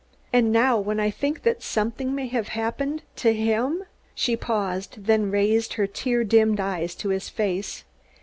And now when I think that something may have happened to him!" She paused, then raised her tear dimmed eyes to his face.